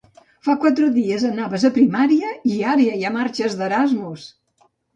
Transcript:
Fa quatre dies anaves a primària i ara ja marxes d'Erasmus!